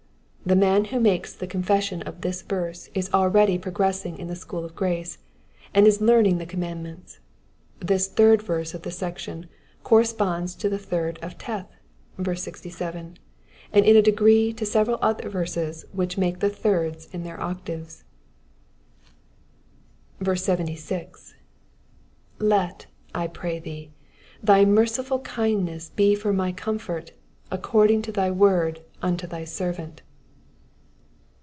The man who makes the confession of this verse is already pro gressing in the school of grace, and is learning the commandments. This third verse of the section corresponds to the third of Teth (67), and in a degree to several other verses which make the thirds in their octaves. 76. ie<, / pray thee, thy merciful kindness he far my comfort^ according to thy word unto thy servant.'